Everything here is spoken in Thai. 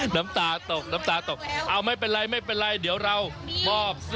น้ำตาตกน้ำตาตกเอาไม่เป็นไรไม่เป็นไรเดี๋ยวเรามอบ